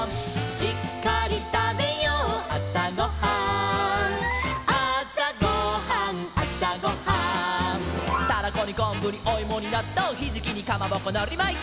「しっかりたべようあさごはん」「あさごはんあさごはん」「タラコにこんぶにおいもになっとう」「ひじきにかまぼこのりまいて」